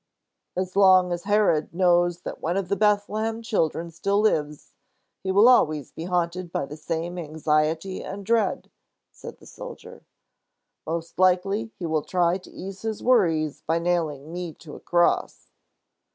"As long as Herod knows that one of the Bethlehem children still lives, he will always be haunted by the same anxiety and dread," said the soldier. "Most likely he will try to ease his worries by nailing me to a cross."